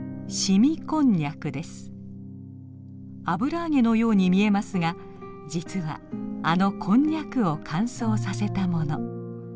油揚げのように見えますが実はあのこんにゃくを乾燥させたもの。